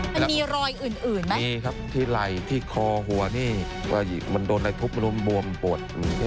มันมีรอยอื่นไหมมีครับที่ไหล่ที่คอหัวนี่มันโดนอะไรทุบลุมบวมปวด